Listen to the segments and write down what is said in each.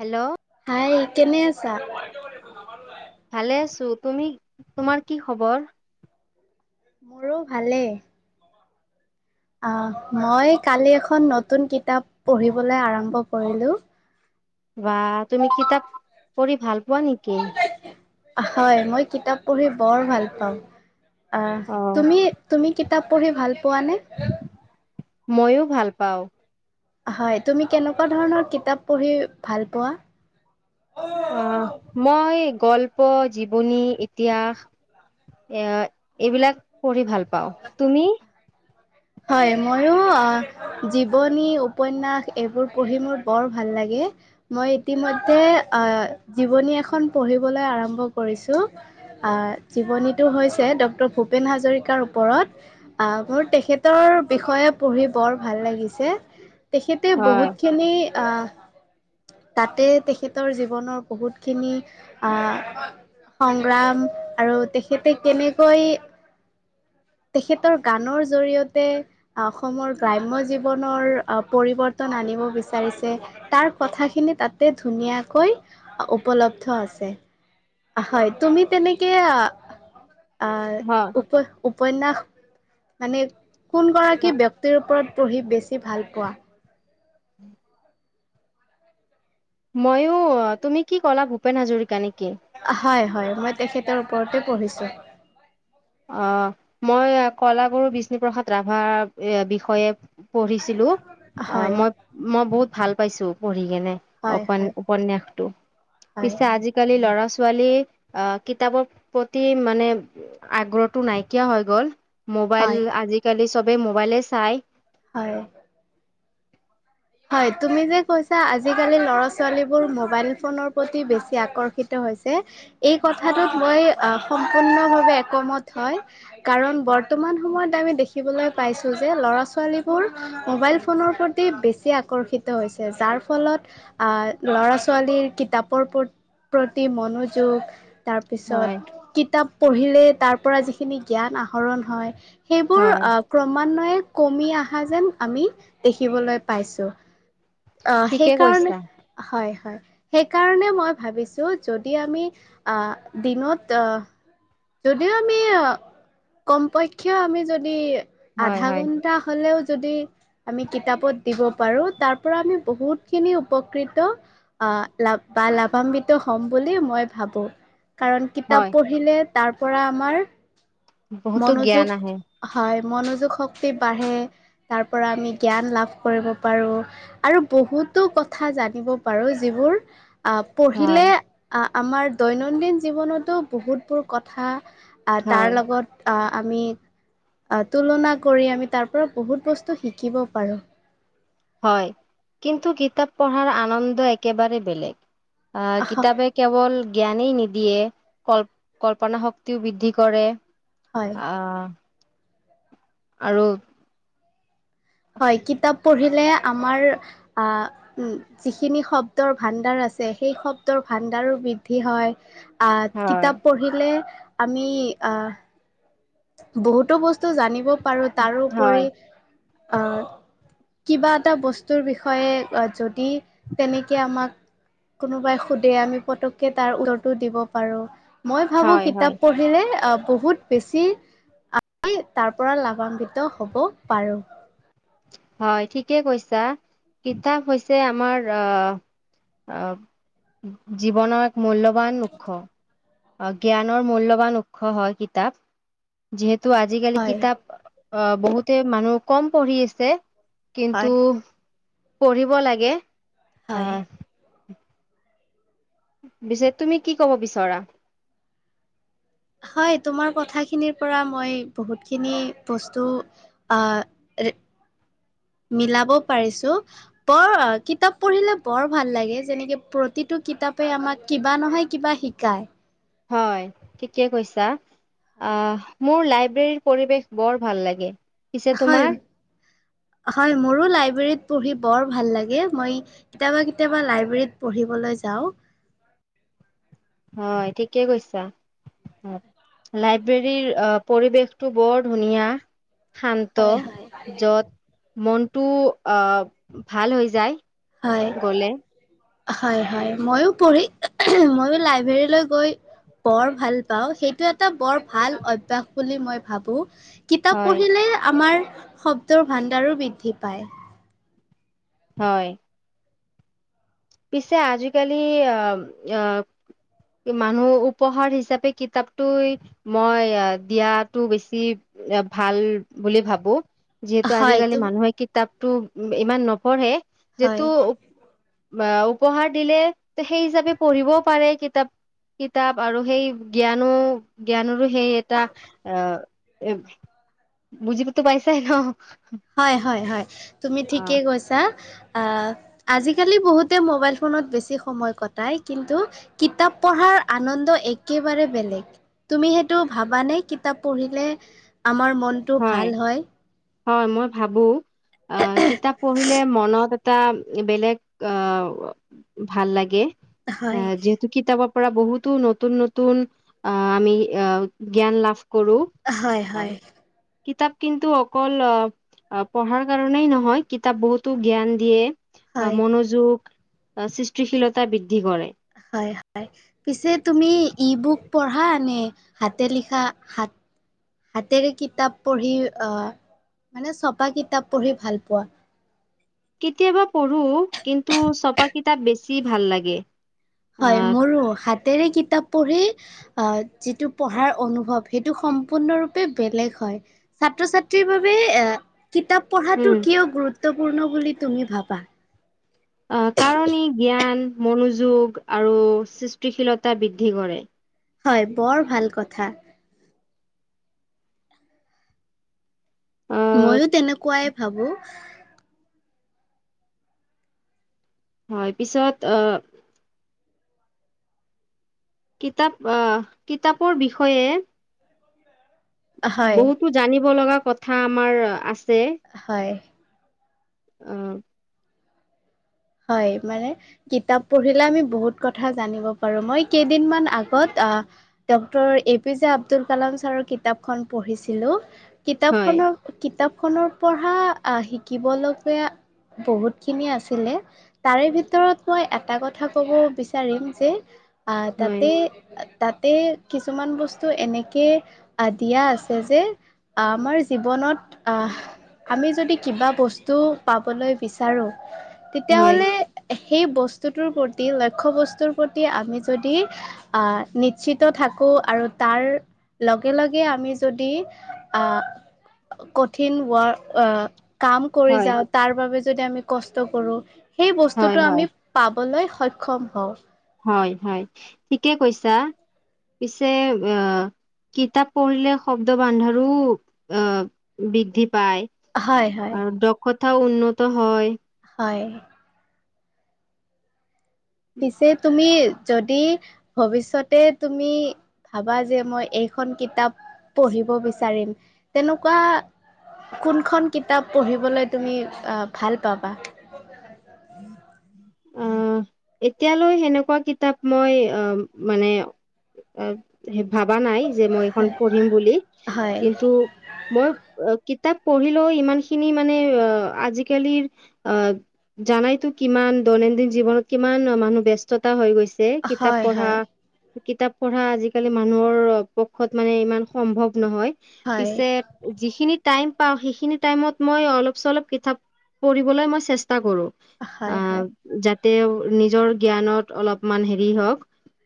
Hello hi কেনে আছ। ছা। ভালে আছো তুমি তোমাৰ কি খবৰ। মোৰো ভালেই। অহ মই কালি এখন নতুন কিতাপ পঢ়িবলৈ আৰম্ভ কৰিলো। বা তুমি কিতাপ পঢ়ি ভাল পোৱা নেকি? হয়, মই কিতাপ পঢ়ি বৰ ভাল পাওঁ। অ, তুমি তুমি কি। কিতাপ পঢ়ি ভাল পোৱা নে? মইো ভাল পাওঁ। হয়। তুমি কেনেকুৱা ধৰণৰ কিতাপ । পঢ়ি ভাল পোৱা? অ, মই গল্প। জীৱনী ইতিহাস এ এইবিলাক পঢ়ি ভাল । পাও, তুমি? হয় ময়ো আহ জীৱনী, উপন্যাস এইবোৰ পঢ়ি মোৰ বৰ ভাল লাগে, মই ইতিমৈধে আহ যাহ জীৱনী এখন পঢ়িবলৈ আৰম্ভ কৰিছোঁ আহ জীৱনীটো হৈছে ডক্টৰ ভূপেন হাজৰিকাৰ। ওপৰত আহ মোৰ তেখেতৰ বিষয়ে পঢ়ি বৰ ভাল লাগিছে। তেখেতে হয় বহুতখিনি। আহ, তাতে তেখেতৰ জীৱনৰ বহুতখিনি আহ সংগ্ৰাম আৰু তেখেতে কেনেকৈ। তেখেতৰ গানৰ জৰিয়তে, অসমৰ গ্ৰাম্য জীৱনৰ পৰিৱৰ্তন আনিব বিচাৰিছে, তাৰ কথাখিনি তাত। ধুনীয়াকৈ উপলব্ধ আছে। হয় তুমি তেনেকে আহ। হয় আৰ উপচ উব। উপন্যাস মানে। কোন গৰাকী ব্যক্তিৰ ওপৰত। পঢ়ি বেছি ভাল পোৱা। উম [unintelligible] ময়ো, তুমি কি কলা, ভূপেন হাজৰিক নেক। হয়। হয় মই তেখেতৰ ওপৰতে পঢ়িছো। আহ মই কলাগুৰু বিষ্ণুপ্ৰসাদ ৰাভাক এ বিষয়ে। পঢ়িছিলো, অ হয় মই, মই বহুত ভাল। পাইছো পঢ়ি। দিয়েনে হয় অপান হয় উপন্যাসটো, হয় পিছে আজিকালি লৰা ছ। ছোৱালী আহ কিতাপৰ প্ৰতি মানে। আগ্ৰহতটো নাইকিয়া হৈ গ'ল। মোবাইল হয় আজিকালি। চবে মোবাইলে চাই। হয়। হয়, তুমি যে কৈছা আজিকালি ল'ৰা ছোৱালীবোৰ মোবাইল ফোনৰ প্ৰতি বেছি আকৰ্ষিত হৈছে, এই কথাটোত মই সম্পূৰ্ণভাৱে একমত হয়, কাৰণ বৰ্তমান সময়ত আমি দেখিবলৈ পাইছোঁ যে ল'ৰা ছোৱালীবোৰ মোবাইল ফোনৰ প্ৰতি বে। বেছি আকৰ্ষিত হৈছে, যাৰ ফলত আৰ ল'ৰা ছোৱালীৰ কিতাপৰ প্ৰতি মনোযোগ থি। হয় তাৰপিছত কিতাপ পঢ়িলে তাৰ পৰা যিখিনি জ্ঞান আহ শৰণ হয় সেইবোৰ হয় ক্ৰমা য় কমি অহা যেন আমি দেখিবলৈ পাইছোঁ। অ ঠিকে সেইকাৰণে কৈছা হয়। সেইকাৰণে মই ভাবিছো যদি আমি আ দিনত আ যদিও আমি কমপক্ষে আমি যদি হয় আধা হয় ঘণ্টা হ'লেও যদি আমি কিতাপত দিব পাৰো তাৰ পৰা আমি বহুতখিনি উপকৃত আহ লাভ বা লাভান্বিত হম বুলি মই ভাবোঁ। কাৰণ কিতাপ হয় পঢ়িলে তাৰ পৰা আমাৰ বহুতো মনোযোগ জ্ঞান আহে হয়। মনোযোগ শক্তি বাঢ়ে। তাৰ পৰা আমি জ্ঞান লাভ কৰিব পাৰোঁ আৰু বহুতো কথা জানিব পাৰোঁ যিবোৰ অ হয় পঢ়িলে আ আমাৰ দৈনন্দিন জীৱনতো বহুতবোৰ কথা আহ হয় তাৰ লগত আমি তুলনা কৰি আমি তাৰ পৰা বহুত বস্তু শিকিব পাৰোঁ। হয় কিন্তু কিতাপ পঢ়াৰ আনন্দ একেবাৰে বেলেগ। অ কিতাপে কেৱল জ্ঞানেই নিদি দিয়ে কল কল্পনা শক্তিও বৃদ্ধি কৰে হয় অহ। আৰু হয়, কিতাপ পঢ়িলে আমাৰ আহ উ যিখিনি শব্দৰ ভাণ্ডাৰ আছে সেই শব্দৰ ভাণ্ডাৰো বৃদ্ধি হয়। আহ হয় কিতাপ পঢ়িলে আমি আহ বহুতো বস্তু জানিব পাৰো। তাৰো উপৰি হয় আ কিবা এটা বস্তুৰ বিষয়ে যত দি তেনেকে আমাক কোনোবাই সুধে আমি পতককে তাৰ উত্তৰটো দিব পাৰোঁ। মই ভাবো হয় হয় কিতাপ পঢ়িলে অ বহুত বেছি আমি তাৰ পৰা লাভান্বিত হ'ব পাৰোঁ। হয়, ঠিকে কৈছা। কিতাপ হৈছে আমাৰ আহ জীৱনৰ মূল্যৱান মুখ্য অ জ্ঞানৰ মূল্যবান উৎস হয় কিতাপ। যিহেতু তো আজিকালি হয়। কিতাপ অ বহুতে মানুহ কম পঢ়ি আছে ছে কিন্তু হয়। পঢ়িব লাগে হয় পিছে তুমি কি কব বিচৰা হয় তোমাৰ কথাখিনিৰ পৰা মই বহুতখিনি বস্তু আহ মিলাব পাৰিছো বৰ কিতাপ পঢ়িলে বৰ ভাল লাগে যেনেকে প্ৰতিটো কিতাপে আমাক কিবা নহয় কিবা শিকায় [unintelligible] হয় ঠিকে কৈছা মোৰ লাইব্ৰেৰীৰ পৰিৱেশ বৰ ভাল লাগে পিছে হয় তোমাৰ হয় মোৰো লাইব্ৰেৰীত পঢ়ি বৰ ভাল লাগে মই কেতিয়াবা কেতিয়াবা লাইব্ৰেৰীত পঢ়িবলৈ যাওঁ হয় ঠিকে কৈছা লাইব্ৰেৰীৰ পৰিৱেশটো বৰ ধুনীয়া শান্ত হয় হয় যত মনটো আহ ভাল হৈ যায় হয় গলে হয় হয় মইয়ো পঢ়ি মইয়ো লাইব্ৰেৰীলৈ গৈ বৰ ভাল পাওঁ সেইটো এটা বৰ ভাল অভ্যাস বুলি মই ভাবো [unintelligible] কিতাপ হয় পঢ়িলে আমাৰ শব্দৰ ভাণ্ডাৰো বৃদ্ধি পায় হয় পিছে আজিকালি আহ আহ মানুহ উপহাৰ হিচাপে কিতাপটো মই আহ দিয়টো বেছি ভাল বুলি ভাবো যিহেতু হয় আজিকালি তুম মানুহে কিতাপ টো ইমান নপঢ়ে হয় যিহেতু বা উপহাৰ দিলে সেই হিচাপে পঢ়িবও পাৰে কিতাপ কিতাপ আৰু সেই জ্ঞানো জ্ঞানৰো সেই এটা আহ বুজি পতো পাইছে ন [unintelligible] হয় হয় হয় তুমি অ ঠিকে কৈছা আহ আজিকালি বহুতে মোবাইল ফোনত বেছি সময় কটাই কিন্তু কিতাপ পঢ়াৰ আনন্দ একেবাৰে বেলেগ তুমি সেইটো ভাবানে কিতাপ পঢ়িলে আমাৰ [unintelligible] মনটো ভাল হয় হয় মই ভাবো অ কিতাপ পঢ়িলে মনত টা বেলেগ আহ ভাল লাগে হয় আহ যিহেতু কিতাপ প [unintelligible] পৰা বহুতো নতুন নতুন আ আমি জ্ঞান লাভ [unintelligible] কৰো হয় হয় কিতাপ কিন্তু অকল অ পঢ়াৰ কাৰনেই নহয় কিতাপ বহুতো জ্ঞান দিয়ে অ হয়। মনোযোগ সৃষ্টিশীলতা বৃদ্ধি কৰে হয় হয় পিছে তুমি ই বুক পঢ়া নে হাতে লিখা হাত হাতেৰে কিতাপ পঢ়ি মানে ছপা কিতাপ পঢ়ি ভাল পোৱা কেতিয়াবা পঢ়ো কিন্তু চপা কিতাপ বেছি ভাল লাগে হয় আহ মোৰো হাতেৰে কিতাপ পঢ়ি আহ যিটো পঢ়াৰ অনুভৱ সেইটো সম্পূৰ্ণৰূপে বেলেগ হয় ছাত্ৰ ছাত্ৰীৰ বাবে এ কিতাপ উম পঢ়াটো কিয় গুৰুত গুৰুত্বপূৰ্ণ বুলি তুমি ভাবা অ কাৰণ ই জ্ঞান মনোযোগ আৰু সৃষ্টিশীলতা বৃদ্ধি কৰে হয় বৰ ভাল কথা আহ মইয়ো তেনেকুৱাই ভাবো হয় পিছত অ কিতাপ অ কিতাপৰ বিষয়ে হয় বহুতো জানিব লগা কথা আমাৰ আছে হয় উম হয় মানে কিতাপ পঢ়িলে আমি বহুত কথা জানিব পাৰো মই কেইদিনমান আগত Dr A P J Abdul Kalam sir কিতাপখন পঢ়িছিলো কিতাপ হয় খনৰ কিতাপ খনৰ পৰা শিকিবলগীয়া বহুতখিনি আছিলে তাৰে ভিতৰত মই এটা কথা কব বিচাৰিম যে আ হয় তাতে তাতে কিছুমান বস্তু এনেকৈ দিয়া আছে যে আমাৰ জীৱনত আ আমি যদি কিবা বস্তু পাবলৈ বিচাৰোঁ হয় তেতিয়াহ'লে সেই বস্তুটোৰ প্ৰতি লক্ষ্য বস্তুৰ প্ৰতি আমি যদি আ নিশ্চিত থাকোঁ আৰু তাৰ লগে লগে আমি যদি আ কঠিন ৱা কাম কৰি হয় যাওঁ তাৰ বাবে যদি আমি কষ্ট কৰোঁ সেই হয় বস্তুতটো আমি হয় পাম বলৈ সক্ষম হওঁ হয় হয় ঠিকে কৈছা পিছে অ কিতাপ পঢ়িলে শব্দ বান্ধৰো আ বৃদ্ধি পায় হয় হয় আৰু দখত কথাও উন্নত হয় হয় পিছে তুমি যদি ভৱিষ্যতে তুমি ভাবা যে মই এইখন কিতাপ পঢ়িব বিচাৰিম তেনেকুৱা কোনখন কিতাপ পঢ়িবলৈ তুমি আহ ভাল পাবা? উম! এতিয়ালৈ সেনেকুৱা কিতাপ মই অ মানে ভাবা নাই যে মই এইখন হয়, পঢ়িম বুলি হয়, কিন্তু মই কিতা তাক পঢ়িলেও ইমান খিনি মানে অ আজিকালিৰ অ জানাইতো কিমান দৈনন্দিন জীৱনত কিমান মানুহ ব্যস্ততা হৈ গৈছে যে কিতাপ হয়, পঢ়া হয়, কিতাপ পঢ়া আজিকালি মানুহৰ পক্ষত মানে ইমান সম্ভৱ নহয়। হয়, পিছে যিখিনিত টাইম পাওঁ সেইখিনি টাইমত মই অলপ- চলপ কিতাপ পঢ়িবলৈ মই চেষ্টা চেষ্টা কৰোঁ। হয়, হয়। যাতে নিজৰ জ্ঞানত অলপমান হেৰি হওঁক।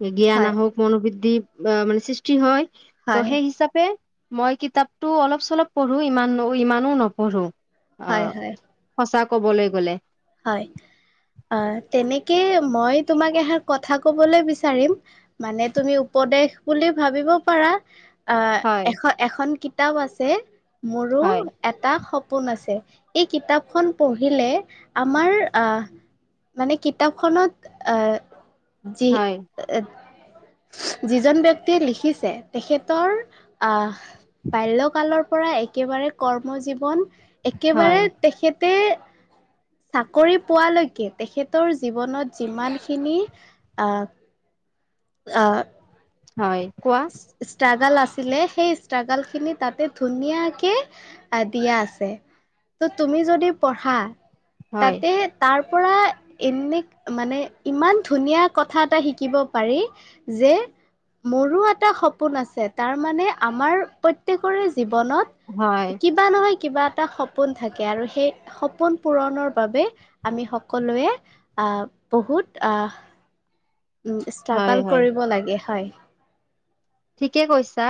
এ জ্ঞান হয়, আহক মনোবৃদ্ধিত বা মানে সৃষ্টি হয়। ত হয়, সেই হিচাপে মই কিতাপতো অলপ চলপ পঢ়োঁ ইমান ইমানো নপঢ়োঁ। হয়, অহ হয়, সঁচা ক'বলৈ গ'লে হয়, আহ তেনেকে মই তোমাক এহাৰ কথা কবলৈ বিচাৰিম মানে তুমি উপদেশ বুলি ভাবিব পাৰা। অ, হয় এ এখন কিতাপ কিতাপ আছে মোৰো হয় এটা শব সপোন আছে এই কিতাপখন পঢ়িলে আমাৰ মানে কিতাপখনত এ যি হয় যিজন ব্যক্তিয়ে লিখিছে তেখেতৰ আহ বাল্য কালত পৰা একেবাৰে কৰ্ম জীৱন। একেবাৰে হয় তেখেতে চাকৰি পোৱালৈকে তেখেতৰ জীৱনত যিমানখিনি আহ আহ হয় কোৱা? ষ্ট্ৰাগাল আছিলে সেই ষ্ট্ৰাগল খিনি তাতে ধুনীয়াকে দিয়া আছে ত' তুমি যদি পঢ়া হয় তাতে তাৰ পৰা এনে মান ইমান ধুনীয়া কথা এটা শিকিব পাৰি যে মোৰ মোৰো এটা সপোন আছে তাৰ মানে আমাৰ প্ৰত্যেকৰে জীৱন হয় বনত কিবা নহয়। কিবা এটা সপোন থাকে আৰু সেই সপোন পূৰণৰ বাবে আমি সকলোৱে বহুত। হয় ষ্ট্ৰাগল হয় কৰিব লাগে হয়। ঠিকে কৈছা।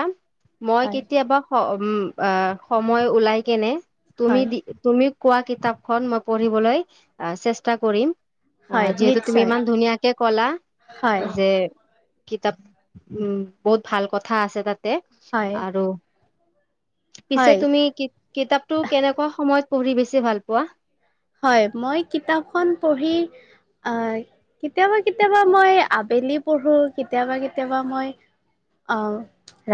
মই হয় কেতিয়াবা হম। অ সময় ওলাই কেনে। তুমি হয় দি তুমি। কোৱা কিতাপখন মই পঢ়িবলৈ চেষ্টা কৰিম। অহ হয় যিহেতু তুমি নিশ্চয় ইমান ধুনীয়াকে কলা হয় যে। কিতাপ উম। বহুত ভাল কথা আছে তাত। হয় আৰু। পিছে হয় তুমি কিতাপটো কেনে। পঢ়ি বেছি ভাল পোৱা। হয় মই কিতাপখন পঢ়ি আহ কেতিয়াবা কেতিয়াবা মই আবেলি পঢ়ো কেতিয়াবা কেতিয়াবা মই আহ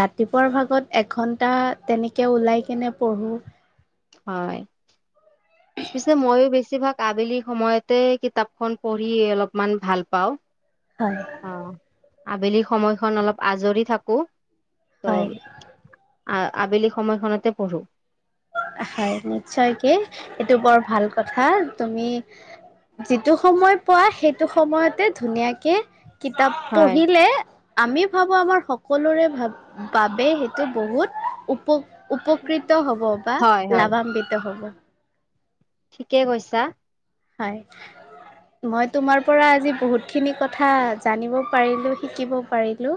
ৰাতিপুৱাৰ ভাগত এঘন্টা তেনেকে ওলাই কেনে পঢ়ো। হয়। পিছে মইো বেছিভাগ। আবেলি সময়তে কিতাপখন পঢ়ি অলপমান ভাল পাওঁ। হয়। অ আবেলি সময়খন অলপ আজৰি থাকো। তো। হয়, আ আবেলি সময়খনতে পঢ়ো। হয় নিশ্চয় কি সটো বৰ ভাল কথা তুমি যিটো সময় পোৱা সেইটো। সময়তে ধুনীয়াকে কিতাপ হয় পঢ়িলে। আমি ভাবো আমাৰ সকলোৰে ভ বাবে সেইটো বহুত উপ উপকৃত হ'ব। বা হয় হয় লাভান্বিত হ'ব। ঠিকে কৈছা। হয় মই তোমাৰ পৰা আজি বহুতখিনি কথা জানিব পাৰিলোঁ শিকিব পাৰিলো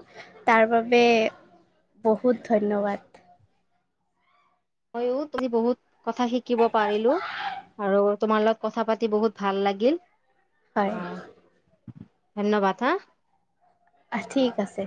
তাৰ বাবে বহুত ধন্যবাদ। মইো তুমি বহুত কথা শিকিব পাৰিলো আৰু তোমাৰ লগত কথা পাতি বহুত ভাল লাগিল। হয়, অহ। ধন্যবাদ হা। ঠিক আছে।